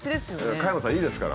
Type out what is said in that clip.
加山さんいいですから。